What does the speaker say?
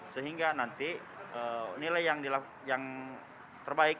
sehingga nanti nilai yang terbaik